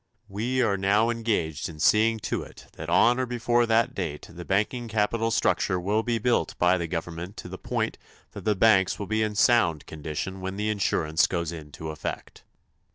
We are now engaged in seeing to it that on or before that date the banking capital structure will be built up by the government to the point that the banks will be in sound condition when the insurance goes into effect.